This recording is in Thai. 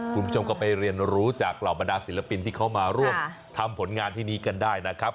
คุณผู้ชมก็ไปเรียนรู้จากเหล่าบรรดาศิลปินที่เขามาร่วมทำผลงานที่นี้กันได้นะครับ